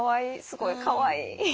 すごいかわいい。